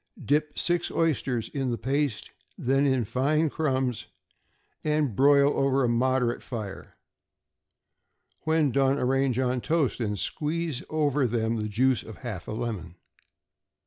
Dip six oysters in the paste, then in fine crumbs, and broil over a moderate fire. When done, arrange on toast, and squeeze over them the juice of half a lemon. =Pickled Oysters.